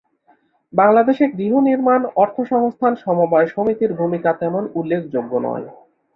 বাংলাদেশে গৃহনির্মাণ অর্থসংস্থান সমবায় সমিতির ভূমিকা তেমন উল্লেখযোগ্য নয়।